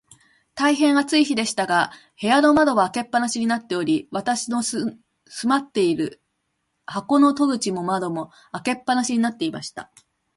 大へん暑い日でしたが、部屋の窓は開け放しになっており、私の住まっている箱の戸口も窓も、開け放しになっていました。